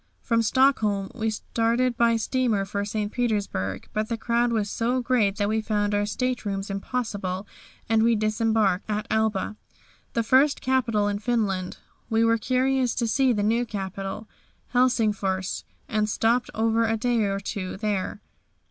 From Stockholm we started by steamer for St. Petersburg, but the crowd was so great that we found our staterooms impossible, and we disembarked at Alba, the first capital in Finland. We were curious to see the new capital, Helsingfors, and stopped over a day or two there.